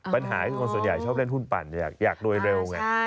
ปัญหาที่คนส่วนใหญ่ชอบเล่นหุ้นปั่นอยากรวยเร็วไง